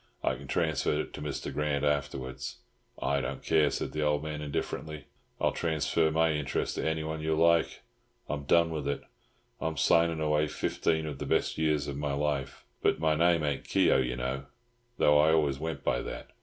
I can transfer it to Mr. Grant afterwards." "I don't care," said the old man indifferently, "I'll transfer my interest to anyone you like. I'm done with it. I'm signing away fifteen of the best years of my life. But my name ain't Keogh, you know, though I always went by that.